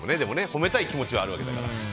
褒めたい気持ちはあるわけだから。